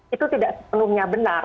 itu tidak sepenuhnya benar